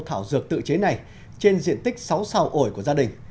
thảo dược tự chế này trên diện tích sáu sao ổi của gia đình